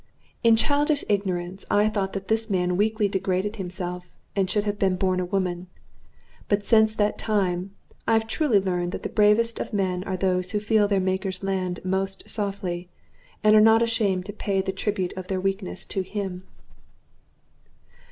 In childish ignorance I thought that this man weakly degraded himself, and should have been born a woman. But since that time I have truly learned that the bravest of men are those who feel their Maker's Land most softly, and are not ashamed to pay the tribute of their weakness to Him.